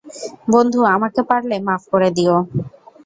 বন্ধু, আমাকে পারলে মাফ করে দিয়ো!